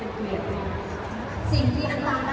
ขอบคุณครับ